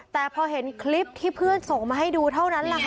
แต่พอเห็นคลิปที่เพื่อนส่งมาให้ดูเท่านั้นแหละค่ะ